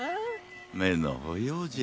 めのほようじゃ。